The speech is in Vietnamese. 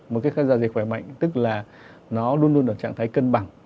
một cái dạ dày khỏe mạnh tức là nó luôn luôn ở trạng thái cân bằng